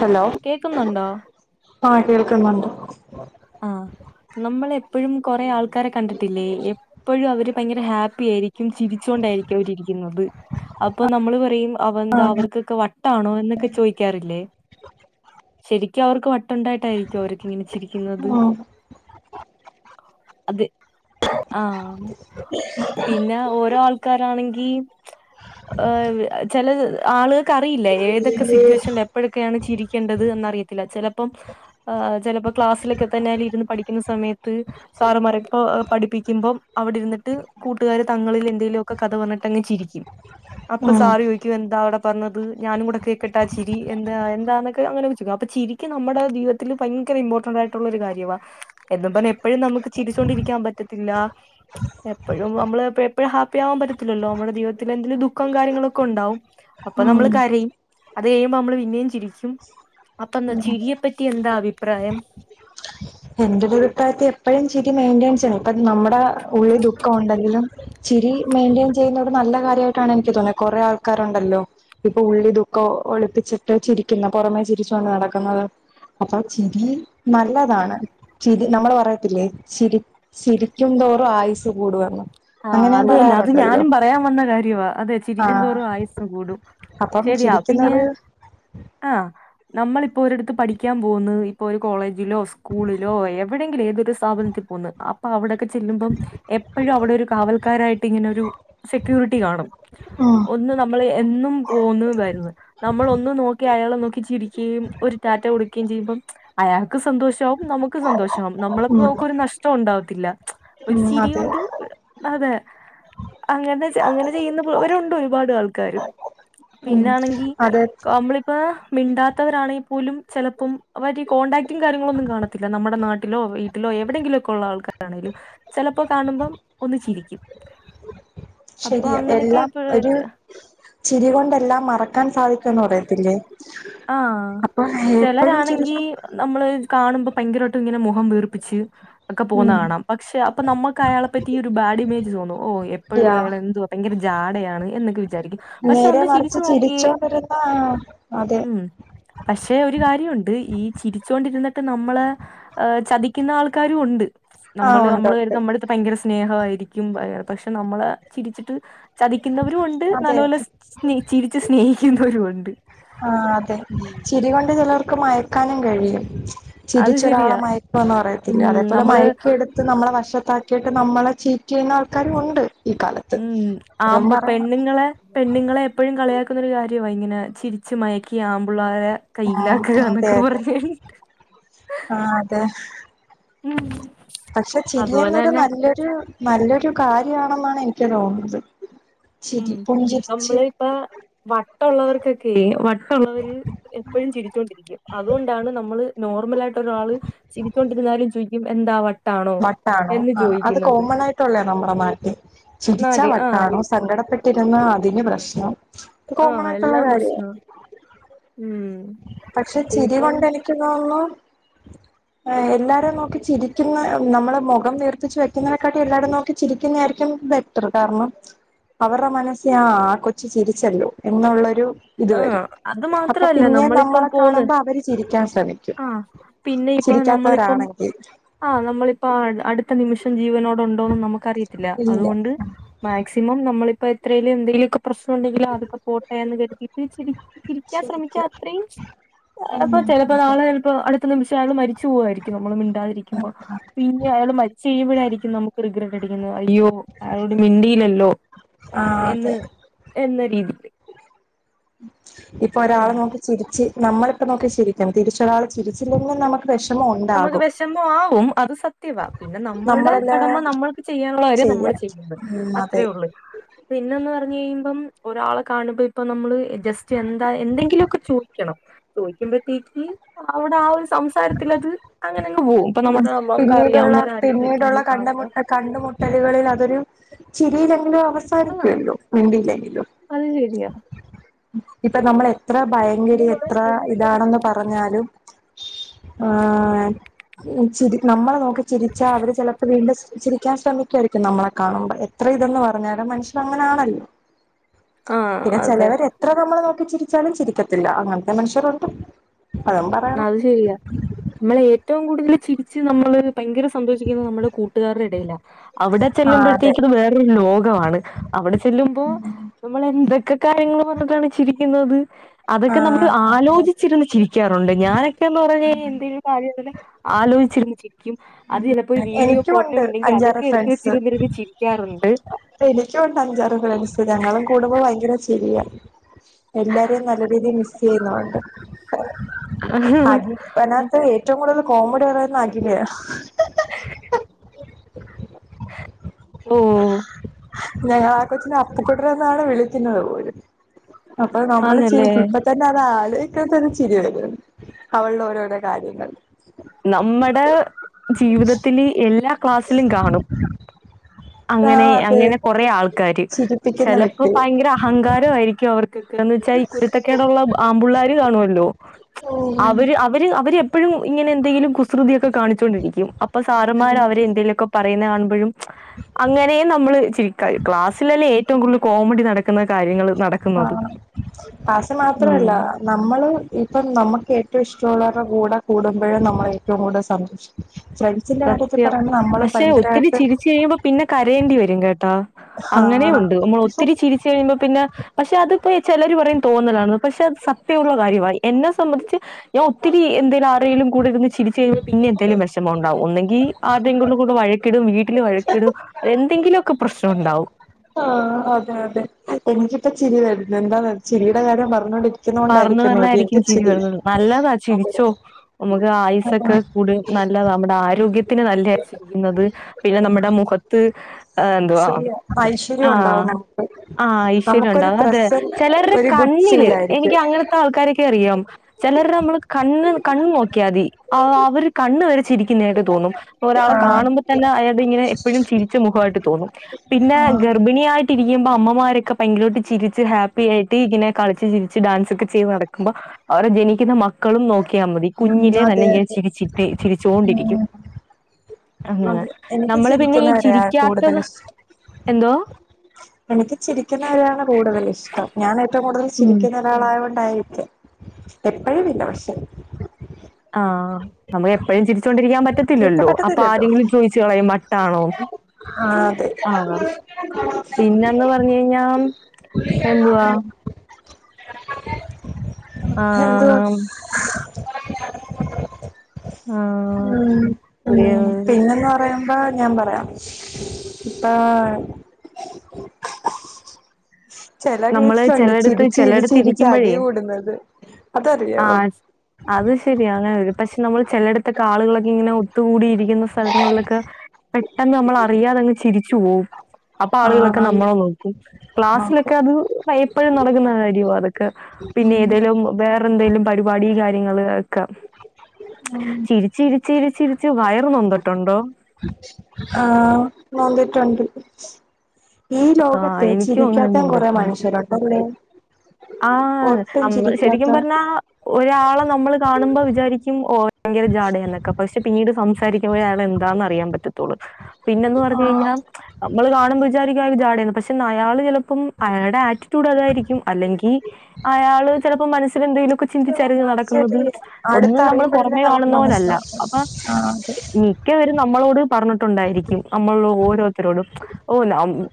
Hello കേക്കുന്നുണ്ടോ ആഹ് കേൾക്കുന്നുണ്ട് ആഹ് നമ്മള എപ്പോഴും കൊറെ ആൾക്കാരെ കണ്ടിട്ടില്ലേ എപ്പോഴും അവര് ഭയങ്കര ഹാപ്പി ആയിരിക്കും ചിരിച്ചോണ്ടായിരിക്കും അവരി ഇരിക്കുന്നത് അപ്പൊ നമ്മൾ പറയും. അവന്ത ആഹ് അവർക്ക് ക്ക വ ട്ടാണോ എന്നൊക്കെ ചോദിക്കാറില്ലേ ശരിക്കും അവർക്ക് വട്ടുണ്ടായിട്ടായിരിക്കോ അവരൊക്ക ഇങ്ങനെ ചിരി. യ്ക്കുന്നത് ആഹ് അത് ആഹ് പിന്നെ ഓരോ ആൾക്കാരാണെങ്കിൽ ചെല ആള് ക്കറിയില്ല ഏതൊക്കെ സിറ്റുവേഷനിൽ എപ്പോഴൊക്കെയാണ് ചിരിക്കേണ്ടത് എന്നറിയത്തില്ല ചെലപ്പോ പ്പം ചെലപ്പോ ക്ലാസ്സിലൊക്കെ തന്നെ ഇര്ന്ന് പഠിക്കുന്ന സമയത്ത് സാറമാരെപ്പോ പഠിപ്പിക്കുമ്പം അവിടെ ഇരുന്നിട്ട് കൂട്ടുകാര് തങ്ങളിൽ എന്തെങ്കലുമൊക്കെ കഥ പറഞ്ഞിട്ട്ങ്ങ് ചിരിക്കും അപ്പൊ ആഹ് സാറ് ചോദിക്കും എന്താ അവിടെ. പറഞ്ഞത് ഞാനും കൂടെ കേക്കട്ടെ ആ ചിരി എന്താ എന്താന്നൊക്കെ അങ്ങനെോക്കെ ചോയ്ക്കും അപ്പ ചിരിക്ക് നമ്മുടെ ജീവിതൽ ഭയങ്കര ഇമ്പോട്ട. ന്റായിട്ടുള്ള ഒരു കാര്യവ. എന്നും പറഞ്ഞ് എപ്പോഴും നമുക്ക് ചിരിച്ചോണ്ടിരിക്കാൻ പറ്റത്തില്ല എപ്പോഴും നമ്മള് എപ്പോഴും ഹാപ്പി ആവാൻ പറ്റത്തില്ലല്ലോ നമ്മുടെ ജീവിതത്തിൽ എന്തെലും ദുഃഖം കാര്യങ്ങളൊക്കെ ഉണ്ടാവും. അപ്പൊ നമ്മൾ ഉം ഉം കരയുംഅത് കഴിയുമ്പോ നമ്മള് പിന്നെയും ചിരിക്കും അപ്പൊ ചിരിയെപ്പറ്റി എന്താ അഭിപ്രായം എന്റെ ഒരു അഭിപ്രായത്തിൽ എപ്പോഴും ചിരി മെയിന്റനൻസ് ചെയണം ഇപ്പ നമ്മുടെ ഉള്ളിൽ ദുഃഖം ഉണ്ടെങ്കിലും ചിരി മെയിന്റെയിൻ ചെയ്യുന്നത് നല്ല കാര്യമായിട്ടാണ് എനിക്ക് തോന്നിയ കൊറെ ആൾക്കാരുണ്ടല്ലോ ഇപ്പൊ ഉള്ളി ദുഃഖം ഒളിപ്പിച്ചിട്ട് ചിരിക്കുന്ന പുറമേ ചിരിച്ചോണ്ട് നടക്കുന്നത് അപ്പൊ ചിരി നല്ലതാണ് ചിരി നമ്മള് പറയത്തില്ലേ ചിരി ചിരിക്കുന്തോറും ആയുസ് കൂടു വന്ന് ആഹ് അത് തന്നെ അത് ഞാനും പറയാൻ വന്ന കാര്യവാ അതെ ആഹ് ചിരിക്കുന്നന്തോറും ആയുസ്സു കൂടും അപ്പം ശരിയാ പിന്നെ ചിരിക്കുന്നത് ആഹ് നമ്മളിപ്പോ ഒരിടത്ത് പഠിക്കാൻ പോവുന്ന് ഇപ്പൊ ഒരു കോളേജിലോ സ്കൂളിലോ എവിടെയെങ്കിലും ഏതൊരു സ്ഥപനത്തിൽ പോകുന്നത് അപ്പൊ അവിടെക്കെ ചെല്ലുമ്പം എപ്പോഴും അവിടെ ഒരു കാവൽക്കാരായിട്ട് ഇങ്ങനെ ഒരു സെക്യൂരിറ്റി കാണും ആഹ്. ഒന്ന് നമ്മള് എന്നും പോന്ന് വരുന്ന്. നമ്മള് ഒന്ന് നോക്കി അയാളെ നോക്കി ചിരിക്കുകയും ഒരു ടാറ്റ കൊടുക്കുകയും ചെയ്യുമ്പം. അയാൾക്ക് സന്തോഷവും നമുക്ക് സന്തോഷം ആകും നമ്മളക്കും ഉം നമുക്കും ഒരു നഷ്ടം ഉണ്ടാവത്തില്ല ഒരു ഉം ചിരി അതെ കൊണ്ട് ഒരു അതെ അങ്ങനെ അങ്ങനെ ചെയ്യുന്ന അവരുണ്ട് ഒരുപാട് ആൾക്കാരും ഉം പിന്നാണെങ്കി അതെ കമ്മള് ഇപ്പ മിണ്ടാത്തവരാണെങ്കിൽ പോലും ചിലപ്പ മറ്റ കോൺടാക്ടും കാര്യങ്ങളും ഒന്നും കാണത്തി നമ്മുടെ നാട്ടിലോ വീട്ടിലോ എവിടെയെങ്കിലും ഒക്കെ ഉള്ള ആൾക്കാരാണേങ്കിലും ചിലപ്പോ കാണുമ്പം ഒന്ന് ചിരിക്കും അപ്പൊ ശരിയ അങ്ങനെയൊക്കെ എല്ലാം ഇപ്പഴ ഒരു വെച്ച ചിരി കൊണ്ട് എല്ലാം മറക്കാൻ സാധിക്കും എന്ന് പറയത്തില്ലേ ആഹ് അപ്പൊ എപ്പഴും ചിലരാണെങ്കി ചെറിയ നമ്മള് കാണുമ്പോ ഭയങ്കരമായിട്ട് ഇങ്ങനെ മുഖം വീർപ്പിച്ച് ഒക്കെ പോകുന്ന ഉം കാണാം പക്ഷെ അപ്പൊ നമുക്ക് അയാെപ്പറ്റി ഒരു ബാഡ് ഇമേജ് തോന്നും ഓ എപ്പോഴും യാ അയാള് എന്തുവ ഭയങ്കര ജാടയാണ് എന്നൊക്കെ വിചാരിക്കും പക്ഷെ നേരെ ഒന്ന് മറിച്ച് ചിരിച്ചു നോക്കിയേ ചിരിച്ചോണ്ടിരുന്ന ആ അതെ ഉം പക്ഷെ ഒരു കാര്യമുണ്ട് ഈ ചിരിച്ചുണ്ടിരുന്നിട്ട് നമ്മളെ ഏഹ് ചതിക്കുന്ന ആൾക്കാരും ഉണ്ട് ആഹ് നമ്മള് ഉണ്ട് നമ്മള് ഉണ്ട് കരുതും നമ്മളെ അടുത്ത് ഭയങ്കരം സ്നേഹമായിയിരിക്കും പക്ഷെ നമ്മളെ ചിരിച്ചിട്ട് ചതിക്കുന്നവരും ഉണ്ട് അതെ നല്ലപോല സ് സ്നേ ചിരിച്ച് സ്നേഹിക്കുന്നവരുണ്ട് ആ അതെ ചിരി കൊണ്ട് ചിലർക്ക് മയക്കാനും കഴിയും അത് ചിരിച്ചൊരാളെ ശരിയാ മയക്കോ എന്ന് ഉം പറയത്തില്ല അതേപോലെ നമ്മള് മയക്കി എടു നമ്മളെ വശത്താക്കിയിട്ട് നമ്മളെ ചീറ്റ് ചെയ്യുന്ന ആൾക്കാരും ഉണ്ട് ഈ കാലത്ത് ഉം അതും ആമ്പ് പറയണം പെണ്ണുങ്ങളെ പെണ്ണുങ്ങളെ എപ്പോഴും കളിയാക്കുന്നൊ ഒരു കാര്യമാണ് ഇങ്ങനെ ചിരിച്ച് മയക്കി ആമ്പിള്ളേരെ കയ്യിലാക്കുക ഉം എന്നൊക്കെ പറഞ്ഞ കഴി ആ അതെ ഉം പക്ഷെ അതുപോലെ ചിരിയെന്നൊരു തന്നെ നല്ല നല്ലൊരു കാര്യമാണെന്നാണ് എനിക്ക് തോന്നുന്നത് ഉം ചിരി പുഞ്ചിരിച്ച് നമ്മള് ഇപ്പ വട്ട്ള്ളവർക്കൊക്കെ വട്ടൊള്ളവര് എപ്പോഴും ചിരിച്ചൊണ്ടിരിക്കും അതുകൊണ്ടാണ് നമ്മള് നോർമല ആയിട്ട് ഒരാള് ചിരിച്ചുകൊണ്ടിരുന്നാലും ചോയിക്കും എന്താവാട്ടെ വട്ടാണോ ആ അത് കോമൺ ആയിട്ടള്ളേ നമ്മുടെ നാട്ടിൽ ചിരിച്ച എന്നാല് ആഹ് വട്ടാണോ സങ്കടപ്പെട്ടിരുന്ന അതിന് പ്രശ്നം കോമൺ ആഹ് ആയിട്ടുള്ള എല്ലാം കാര്യം പ്രശ്നവാ ഉം പക്ഷെ ചിരി ഇപ്പം കൊണ്ട് എനിക്ക് തോന്നുന്നു [unintelligible] എ എല്ലാരും നോക്കി ചിരിക്കുന്ന നമ്മള് മുഖം വീർപ്പിച്ച് വെക്കുന്നതിനെക്കാട്ടി എല്ലാരും നോക്കി ചിരിക്കുന്നതായിരിക്കും ബേ കാരണം അവരുടെ മനസ്സിൽ ആ ആ കൊച്ചു ചിരിച്ചല്ലോ എന്നുള്ളൊരു ഇത് ആ വരും അത് അപ്പൊ മാത്രല്ല ല്ല പിന്നെ നമ്മളിപ്പം നമ്മളെ പോന്ന് കാണുമ്പോ അവര് ചിരിക്കാൻ ശ്രമിക്കും ആ പിന്നെ ഇപ്പം നമ്മളിപ്പം ചിരിക്കാത്തവരാണെങ്കിൽ ആഹ് നമ്മളിപ്പ അടുത്ത നിമിഷം ജീവനോട് ഉണ്ടോന്നന്ന് നമുക്ക്റിയത്തില്ല ഇല്ല അതുകൊണ്ട് മാക്സിമം നമ്മളിപ്പോ എത്രേലും എന്തെങ്കിലുമൊക്കെ പ്രശ്നം ഉണ്ടെങ്കില് അതൊക്കെ പോട്ടയന്ന് കരുതിയിട്ട് ചിരി ചിരിക്കാൻ ശ്രമിക്കുക ശരിക്കും അത്രയും ഉം അപ്പൊ ചിലപ്പോ നാളെ ചിലപ്പോ അടുത്ത നിമിഷം ആയാൾ മരി ചൂപോവായിരിക്കും നമ്മള് മിണ്ടാതിരിക്കുമ്പോ പിന്നെ അയാൾ മരിച്ചഴുമോഴായിരിക്കും നമുക്ക് റിഗ്രറ്റ് അടിക്കുന്നത് അയ്യോ അയാളോട് മിണ്ടിയിലല്ലോ ആ എന്ന് അതെ എന്ന രീതില്. ഇപ്പൊ ഒരാളെ നോക്കി ചിരിച്ച് നമ്മളിപ്പ നോക്കി ചിരിക്കും. തിരിച്ച ഒരാള് ചിരിച്ചില്ലെങ്കിൽ നമക്ക് വേഷമോണ്ട് നമുക്ക് വെഷമമാവും. അത് സത്യവ പിന്നെ നമ്മള്ടെ കടമ നമ്മളെല്ലാം നമ്മൾക്ക് ചെയ്യാനുള്ള കാര്യം നമ്മള് ചെയ്യാം ചെയ്യുന്നെ. ഉം അതെ ആ പിന്നെന്ന് പറഞ്ഞ് കഴിയുമ്പം ഒരാളെ കാണുമ്പോ ഇപ്പ നമ്മള് ജസ്റ്റ് എന്താ എന്തെങ്കിലൊക്കെ ചോദിക്കണം. ചോയ്ക്കുമ്പഴത്തേക്ക് അവിടെ ആ ഒരു സംസാരത്തിലത് ഉം പിന്നീടുള്ള അറിയാവുന്ന ആരെങ്കിലൊക്കെ പിന്നീടുള്ള നമ്മൾ കാണുമ്പോ കണ്ടമുട്ടൽ കണ്ടുമുട്ടലുകളിൽ അതൊരു ചിരിലെങ്കിലും അവ ആ സംസാരിക്ക്വല്ലോ. മിണ്ടില്ലെങ്കിലും അത് ശരിയാ ഇപ്പം നമ്മളെ എത്ര ഭയങ്കരി എത്ര ഇതാണെന്ന് പറഞ്ഞാലും ആഹ് ചിരി നമ്മളെ നോക്കി ചിരിച്ചാ അവര് ചെലപ്പോ വീണ്ടും ചിരി ക്കാൻ ശ്രമിക്കുവായിരിക്കും നമ്മളെ കാണുമ്പ. എത്ര ഇതെന്ന് പറഞ്ഞാലും മനുഷ്യനങ്ങനാണല്ലോ ആ പിന്നെ അതെ ചെലവരെ എത്ര നമ്മള് നോക്കി ചിരിച്ചാലും ചിരിക്കത്തില്ല. അങ്ങൻത്തെ മനുഷ്യരുണ്ട് അതും പറ ന്നാത് ശരിയാ. നമ്മള് ഏറ്റവും കൂടുതൽ ചിരിച്ച് നമ്മള് ഭയങ്കര സന്തോഷിക്കുന്നത് നമ്മള് കൂട്ടുകാരുടെ ഇടയില. അവിടെ ആഹ് അതെ ചെല്ലുമ്പഴത്തേക്കും വേറൊരു ലോക വാണ്. അവിടെ ചെല്ലുമ്പോ നമ്മള് എന്തൊക്കെ കാര്യങ്ങള് പറഞ്ഞിട്ടാണ് ചിരിക്കുന്നത്. അതൊക്കെ നമ്മള് ആഹ് അതെ അതെ ആലോചിച്ചിരുന്നു ചിരി ഒണ്ട്. ഞാനൊക്കെന്ന് പറഞ്ഞ് കഴിഞ്ഞാ എന്തേലും കാര്യോണ്ടേല് ആലോചിച്ചിരുന്ന് ചിരിക്ക്യും. അത് ചെലപ്പോ ഒരു വീഡിയോ എനിക്കും ഫോട്ടോ ഉണ്ട് ഉണ്ടെങ്കി അഞ്ചാറ് അതൊക്കെ എടുത്ത് വച്ചിരിരുന്ന് ചിരിക്കാറൊണ്ട്. എനിക്കുണ്ട് അഞ്ചാറു ഫ്രണ്ട്സ് ഞങ്ങളും കൂടുമ്പോ ഭയങ്കര ചിരിയാ. എല്ലാരേം നല്ല രീതിയിൽ മിസ് ചെയ്യുന്നോണ്ട് [unintelligible] ബനാത്ത് ഏറ്റവും കൂടുതൽ കോമഡി പറയുന്ന അഖില് ഓഹ് ഞങ്ങളാ കൊച്ചിനെ അപ്പുക്കുട്ടനെന്നാണ് വിളിക്കുന്നത് പോലും. അപ്പൊ നമ്മള് ചിരി ആന്നല്ലേ ഇപ്പ ത അതാലോയ്ക്കുമ്പത്തന്നെ ചിരി വെരും. അവളുടെ ഓരോരോ കാര്യങ്ങൾ. നമ്മടെ ജീവിതത്തില് എല്ലാ ക്ലാസ്സിലും കാണും. ആ അങ്ങനെ അതെ അങ്ങനെ കൊറേ ആൾക്കാര് ചിരിപ്പിക്കുന്ന ചെലപ്പോ വ്യക്തി ഭയങ്കര അഹങ്കാരവായിരിക്കും അവർ കിക്കെന്ന് വെച്ചാ ഈ കുരുത്തക്കേടൊള്ള ആമ്പിള്ളേര് കാണ്വാല്ലോ ഉം അവര് അവര് അവര് എപ്പഴും ഇങ്ങനെ എന്തെങ്കിലും കുസൃതിയൊക്കെ കാണിച്ചോണ്ടിരിക്ക്യും. അപ്പ സാറ്മാര് അവരെന്തെലൊക്കെ. പറയുന്ന കാണുമ്പഴും അങ്ങനെയും നമ്മള് ചിരിക്ക. ക്ലാസ്സിലല്ലേ ഏറ്റവും കൂടുതൽ കോമഡി നട ക്ക്ണ കാര്യങ്ങള് ആ നടക്കുന്നത്. പാസ് ഉം. മാത്രല്ല നമ്മള് ഇപ്പം നമക്ക് ഏറ്റവും ഇഷ്ട്ട ഇള്ളവരുടെ കൂടെ കൂടുമ്പഴെ നമ്മള് ഏറ്റവും കൂടുതൽ സന്തോഷി ശ്രമി സത്യം പക്ഷെ ഒത്തിരി ചിരിച്ച് കഴിയുമ്പം. പിന്നെ കരയേണ്ടി വരും കേട്ടോ. അങ്ങനെ ആണോ ഉണ്ട്. നമ്മൾ പക്ഷെ ഒത്തിരി ചിരിച്ച് കഴിയുമ്പോ പിന്നെ പക്ഷെ അത് ഇപ്പോ ചെലര് പറയും തോന്നലാണ്ന്ന്. പക്ഷെ അത് സത്യവുള്ള കാര്യവായി എന്നെ സംബ ച്ച് ഞാൻ ഒത്തിരി എന്തേലും ആരേലും കൂടെരുന്ന് ചിരിച്ച് കഴുമ്പോ പിന്നെ എന്തെലും വെഷമം ഉണ്ടാവും ഒന്നെ ങ്കി ആരുടെലും കൂടെ വഴക്കിടും. വീട്ടിൽ വഴക്കിടും എന്തെങ്കിലൊക്കെ പ്രശ്നോണ്ടാവും. ആഹ് അതെഅതെ. എനിക്കിപ്പ ചിരി വരുന്ന് എന്താന്നോ ചിരിയുടെ കാര്യം പറഞ്ഞോണ്ടിരി പറഞ്ഞു പറഞ്ഞായിരിക്കും ചിരി വരുന്നത് നല്ലതാ അതെ ചിരിച്ചോ നമുക്ക് അപ്പൊ ആയുസൊക്കെ കൂടേം ന ല്ലതാ നമ്മുടെ ആരോഗ്യത്തിന് നല്ലയാ ചിരിക്കുന്നത് പിന്നെ നമ്മുടെ മുഖ ത്ത് എന്തുവാ ശരിയാ ഐശ്വര്യം ആഹ് ഉണ്ടാവും നമുക്ക് ആഹ് നമുക്കൊരു ഐശ്വര്യണ്ടാവും അതെ പ്രസന്റ് ചെലർരെ ഒരു ഗുഡ് കണ്ണില് ഫീൽ ആയിരിക്കും എനിക്ക് അങ്ങനത്തെ ആൾക്കാരെയൊക്കെ അറിയാം ചെലർരെ നമ്മള് കണ്ണ് കണ്ണ് നോക്കിയാതി അവർടെ കണ്ണ് വരെ ചിരിക്കുന്നെയായിട്ട് തോന്നും ഒരാളെ ആഹ് കാണുമ്പ തന്നെ അയാൾതിങ്ങനെ എപ്പോഴും ചിരിച്ച മുഖവായിട്ട് തോന്നും പിന്നെ ആഹ് ഗർഭിണിയായിട്ടിരിക്കുമ്പം അമ്മമാരൊക്കെ ഭയങ്കരായിട്ട് ചിരിച്ച് ഹാപ്പി ആയിട്ട് ഇങ്ങനെ കളിച്ച് ചിരി ച്ച് ഡാൻസ് ഒക്കെ ചെയ്ത് നടക്കുമ്പ അവരെ ജനിക്കുന്ന മക് ക്കളും നോക്കിയാ മതി ഉം കുഞ്ഞിലെ തന്നെ അതെ ഇങ്ങനെ അതെ ചിരിച്ചിട്ട് ഉം ചിരിച്ചോണ്ടിരിക്കും അങ്ങനെ അതെ എനിക്ക് നമ്മള് പിന്നെ ഈ ചിരിക്കുന്നവരെയാ കൂടുതൽ ചിരിക്കാത്തത് ഇഷ്ടം എന്തോ എനിക്ക് ചിരിക്കുന്നവരെയാണ് കൂടുതൽ ഇഷ്ടം ഞാൻ ഏറ്റവും കൂടുതൽ ഉം. ചിരിക്കുന്ന യാളായ കൊണ്ടായിരിക്കാം എപ്പഴുവില്ല പക്ഷേ ആഹ് നമ്മക്ക് എപ്പോഴും ചിരിച്ചോണ്ടിരിക്കാൻ ചിരിക്കാൻ പറ്റത്തില്ലല്ലോ അപ്പൊ പറ്റത്തില്ലല്ലോ ആരെങ്കിലും ചോയിച്ചു കളയും വട്ടാണോ ആഹ് അതെ ആഹ് പിന്നന്ന് പറഞ്ഞ് കഴിഞ്ഞാൽ എന്തുവാ എന്തുവാ ആഹ് ആഹ് ഉം ഒരു ഉം പിന്നെന്താ പറയുമ്പ ഞാൻ പറയാം ഇപ്പാ ചെല നമ്മള് കേസിലുണ്ട് ചെലയിടത്ത് ചെലയിടത്ത് ചിരിച്ചിരിച്ചിരിച്ചടി ഇരിക്കുമ്പഴേ കൂടുന്നത് അതറിയോ ആഹ് അത് ശരിയാ അങ്ങനെ വരും പക്ഷെ നമ്മൾ ചെലട്ത്തൊക്കെ ആളുകളൊക്കെ ഇങ്ങനെ ഒത്തുകൂടിരി ക്കുന്ന സ്ഥലങ്ങളിലൊക്കെ പെട്ടെന്ന് നമ്മൾ അറിയാതെങ്ങ് ചിരിച്ചു പോവും അപ്പൊ ആളുകളൊക്കെ ആഹ് നമ്മളെ നോക്കും ക്ലാസ്സിലൊ നോക്കും ക്കെ അത് പ എപ്പഴും നടക്കുന്ന കാര്യവാ അതൊക്കെ പിന്നെ ഏതേലും വേറെന്തേലും പരിപാ ടീം കാര്യങ്ങള് ഒക്കെ ഉം ചിരി ചിരിച്ചിരിച്ചിരിച്ച് വയറു നൊന്ത്ട്ടൊണ്ടോ ആഹ് നൊന്തിട്ടൊണ്ട് ഈ ആഹ് ലോകത്തെ എനിക്കും അങ്ങനെ ചിരിക്കാത്തേം കൊറേ നൊന്തിട്ടുണ്ട്. മനുഷ്യരൊണ്ടല്ലേ ആഹ് അമ്മള് ശരിക്കും പറഞ്ഞാ ഒരാളെ നമ്മള് കാണുമ്പോ വിചാരിക്കും ഓ ഭയങ്കര ജാഡയ എന്നൊക്കെ പക്ഷെ പിന്നീട് സംസാരിക്കുമ്പോഴേ അയാൾ എന്താന്ന് അറിയാൻ പറ്റത്തുള്ളൂ പിന്നെന്ന് പറഞ്ഞു ആഹ് കഴിഞ്ഞാൽ അമ്മള് കാണുമ്പോ വിചാരിക്കും അയാക്ക് ജാടയാന്ന് പക്ഷെ അയാള് ചെലപ്പം അയാടെ ആറ്റിറ്റ്യൂഡ് അതായിരിക്കും അല്ലെങ്ക് ങ്കി അയാള് ചെലപ്പോ മനസില് എന്തേലും ക്കെ ചിന്തിച്ചാരിക്കും നടക്കുന്നത് ശരിയാ ഒന്നും നമ്മൾ അടുത്തറിയുമ്പഴല്ലേ പുറമെ നമുക്ക് കാണുന്ന പോലല്ല മനസ്സിലാവു അപ്പൊ ആഹ് അതെ ഒക്കെ അവര് നമ്മളോട് പറഞ്ഞിട്ടുണ്ടായിരിക്കും നമ്മൾ ഓരോരുത്തരോടും ഓ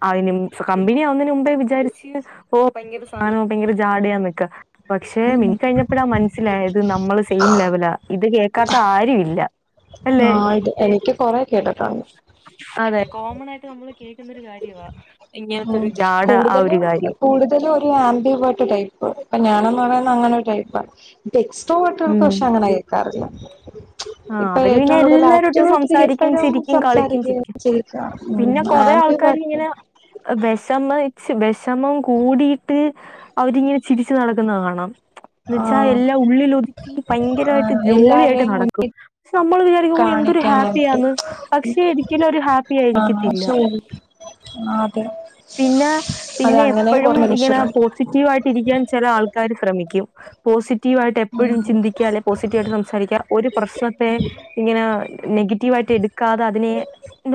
അയിന് കമ്പനിയാവുന്നേന് മുമ്പേ വിചാരിച്ച് ഓ ഭയങ്കര സാധനവാ ഭയങ്കര ജാടയാന്നൊക്കെ പക്ഷെ മിണ്ടി കഴിഞ്ഞപ്പഴാ മനസിലായത് നമ്മള് സ് സെയിം ലെവലാ ഇത് കേൾക്കാത്ത ആരും ഇല്ല ആഹ് ഇത് എനിക്ക് കൊറെ കേട്ടിട്ടുണ്ട് അതെ കോമൺ ആയിട്ട് നമ്മള് കേൾക്കുന്നൊരു കാര്യവാ ഉം ഇങ്ങനത്തൊരു ജാട ആ ഒരു കൂടുതലും കാര്യം കൂടുതലും ഒരു ആൻബിബേർട്ട് ടൈപ്പ് ഇപ്പൊ ഞാനെന്ന് പറയുന്നത് അങ്ങനൊരു ടൈപ്പാ എക്സ്ട്രോവേട്ടുകൾക്ക് ഉം. പക്ഷെ അങ്ങനെ കേക്കാറില്ല ആ ഇപ്പൊ അവര് പിന്നെ ഏറ്റവും കൂടുതൽ എല്ലാരോട്ടും ആക്റ്റീവായിട്ടിരിക്ക സംസാരിക്കും, എപ്പോഴും ചിരിക്കും, കളിക്കും, സംസാരിക്കുക ചിരിക്കും. ചിരിക്കുക ഉം ആംബിബെർട്ട് വെഷമ ച്ച് വെഷമം കൂടീട്ട് അവരിങ്ങനെ ചിരിച്ചു നടക്കുന്നത് കാണണം എന്ന് വെച്ചാ ആഹ് എല്ലാം ഉള്ളില് ഒതുക്കി ഭയങ്കരായിട്ട് ആഹ് ജോളിയായിട്ട് എല്ലാരെയും നടക്കും മുന്നിൽ പക്ഷെ നമ്മള് വിചാരിക്കു എന്തൊരു കാണിക്കാനായിട്ട് ഹാപ്പിയാന്ന് പക്ഷെ ഒരിക്കലും ഒരു ഹാപ്പി ആഹ് ആയിരിക്കത്തില്ല [inaudible] അതെ പിന്ന അതെ പിന്നെ അങ്ങനെയും എപ്പഴും കുറെ ഇങ്ങനെ മനുഷ്യരുണ്ട് പോ പോസിറ്റീവ് ആയിട്ട് ഇരിക്കാൻ ചെല ആൾക്കാർ ശ്രമിക്കും പോസിറ്റീവ് ആയിട്ട് എപ്പോഴും ഉം ചിന്തിക്കാ ല്ലെ പോസിറ്റീവ് ആയിട്ട് സംസാരിക്കുക ഒരു പ്രശ്നത്തെ ഇങ്ങനെ നെഗറ്റീവ് ആയിട്ട് എടുക്കാതെ അതിനെ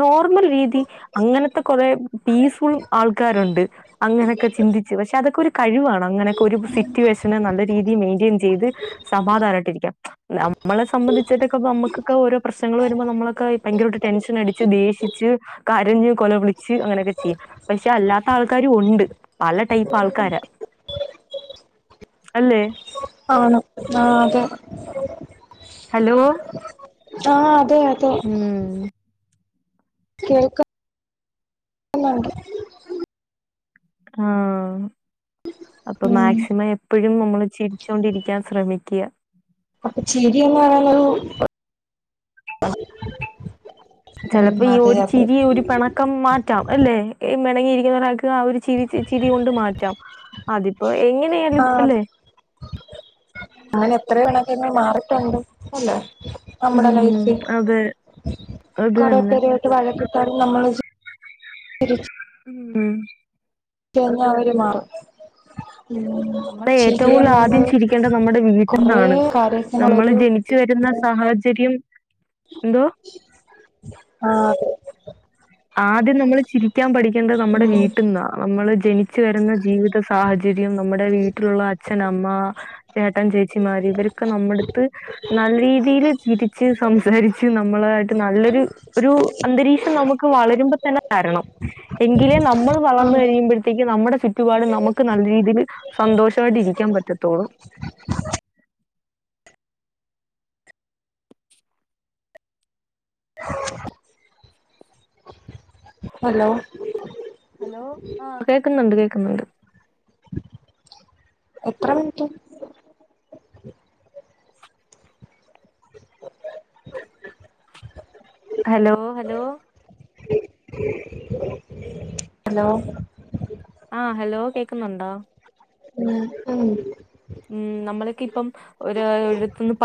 നോർമൽ രീതി അങ്ങനത്തെ കുറെ പീസ്ഫുൾ ആൾക്കാരുണ്ട് അങ്ങനെയൊക്കെ ചിന്തിച്ച് പക്ഷെ അതൊക്കെ ഒരു കഴിവാണ് അങ്ങനെയൊക്കെ ഒരു സിറ്റുവേഷന് നല്ല രീതിയിൽ മെയിൻറ്റെയിൻ ചെയ്ത് സമാധാനമായിട്ട് ഇരിക്കാം നമ്മള് സംബന്ധിച്ച്ട്ടൊക്കെ നമുക്കൊക്കെ ഓരോ പ്രശ്നങ്ങൾ വരുമ്പോ നമ്മളൊക്കെ ഭയങ്കര ഒരു ടെൻഷൻ അടിച്ച് ദേഷിച്ച് കരഞ്ഞ് കൊല വിളിച്ച് അങ്ങനെയൊക്കെ ചെയ്യും പക്ഷെ അല്ലാത്ത ആൾക്കാരും ഉണ്ട് പല ടൈപ്പ് ആൾക്കാരാ അല്ലേ ആണ് ആഹ് അതെ ഹലോ ആഹ് അതെ അതെ ഉം കേൾക്കുന്നുണ്ട് ആഹ് അപ്പൊ ഉം മാക്സിമം എപ്പോഴും നമ്മള് ചിരിച്ചുകൊണ്ടിരിക്കാൻ ശ്രമിക്ക അപ്പൊ ചിരി എന്ന് പറയുന്നത് ചിലപ്പോ ഈ ഒരു ചിരി ഒരു പണ് ക്കംമാറ്റാം എല്ലെ ഈ മെണങ്ങിയിരിക്കുന്ന ഒരാൾക്ക് ആ ഒരു ചിരി ചിരി കൊണ്ട് മാറ്റാം റ്റ അതിപ്പോ ആ എങ്ങനെയാലപല്ലേ അങ്ങനെ എത്രയോ പിണക്കങ്ങൾ മാറിട്ടുണ്ട് അല്ലേ നമ്മുടെ ഉം ലൈഫിൽ അതെ അത് കൊറെ തന്നെ പേര് [inaudible] മ്മ്ം കെഞ്ഞ അറൽ മാറും മ്മ് നമ്മള് ഏറ്റവും ശരി കൂടുതൽ ആദ്യം നമ്മള് ചിരിക്കേണ്ടത് നമ്മുടെ കൊറ കാര്യച്ചെണ ച്ച് വരുന്ന സാഹചര്യം എന്തോ ആഹ തെ ആദ്യം നമ്മൾ ചിരിക്കാൻ പഠിക്കേണ്ടത് നമ്മുടെ ഉം വീട്ടിൽന്നാ നമ്മള് ജനി വച്ച് വരുന്ന ജീവിത സാഹചര്യം നമ്മുടെ വീട്ടിലുള്ള അച്ഛനമ്മ ചേട്ടൻ ചേച്ചിമാരി ഇവരൊക്കെ നമ്മടുത്ത് നല്ല രീതിൽ ചിരിച്ച് സംസാരിച്ച് നമ്മളായിട്ട് നല്ലൊരു ഒരു അന്തരീക്ഷം നമ്ക്ക് വളരുമ്പതന്നെ തണം എങ്കിലെ നമ്മൾ ആ വളർന്ന കഴിയ്മ്പത്തേക് നമ്മ ചുറ്റുപാട് നമുക്ക് നല്ല രീതിയിൽ സന്തോഷമായിട്ട് ഇരിക്കാൻ പറ്റത്തുള്ളൂ [inaudible] ഹലോ ഹലോ ആ കേൾക്കുന്നുണ്ട് കേൾക്കുന്നുണ്ട് എത്ര മിനിറ്റ് ഹലോ ഹലോ [inaudible] ഹലോ ആഹ് ഹലോ കേൾക്കുന്നുണ്ടോ [unintelligible] ഉം നമ്മൾക്കി ഇപ്പം ഒരു ഇടത്തിന്ന് പഠ്